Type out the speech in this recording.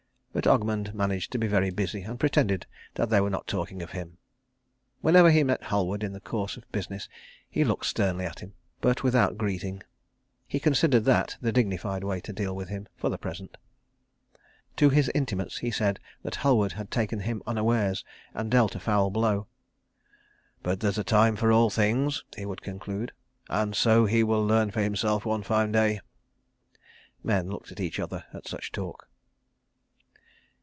But Ogmund managed to be very busy, and pretended that they were not talking of him. Whenever he met Halward in the course of business he looked sternly at him, but without greeting. He considered that the dignified way to deal with him, for the present. To his intimates he said that Halward had taken him unawares and dealt a foul blow. "But there's a time for all things," he would conclude; "and so he will learn for himself one fine day." Men looked at each other at such talk.